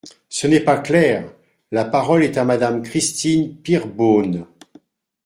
Ce n’est pas clair ! La parole est à Madame Christine Pires Beaune.